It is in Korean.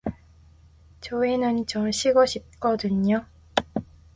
저희는 좀 쉬고 싶거든요.